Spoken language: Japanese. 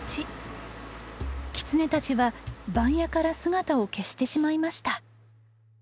キツネたちは番屋から姿を消してしまいました。